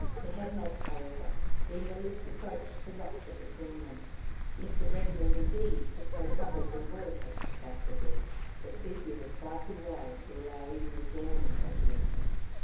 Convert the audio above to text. There had not, however, been the least approach to rupture between them. Mr. Redmain, indeed, took no trouble to avoid such a catastrophe, but Sepia was far too wise to allow even the dawn of such a risk.